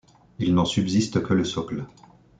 Il n'en subsiste que le socle.